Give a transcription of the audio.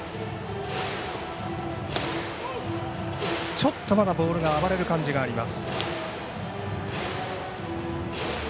ちょっとボールがまだ暴れる感じがあります。